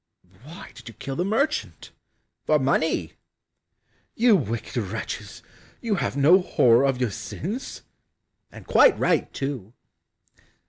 "Why did you kill the merchant?" "For money." "You wicked wretches, you have no horror of your sins?" "And quite right too!"